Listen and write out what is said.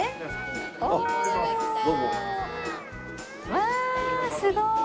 わあすごい。